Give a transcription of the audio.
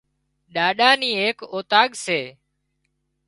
ڏاڏا نِي ايڪ اوطاق سي